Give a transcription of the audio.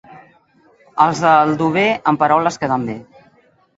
Els d'Aldover, amb paraules queden bé.